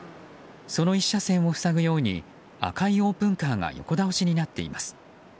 その１車線を塞ぐように赤いオープンカーが横倒しになっています。